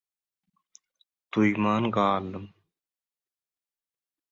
duýman galdym.